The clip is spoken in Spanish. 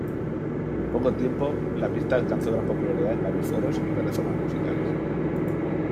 En poco tiempo la pista alcanzó gran popularidad en varios foros y plataformas musicales.